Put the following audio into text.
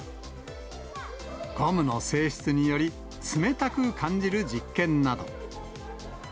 ゴムの性質により、冷たく感じる実験など。